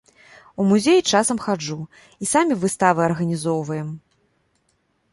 У музеі часам хаджу і самі выставы арганізоўваем.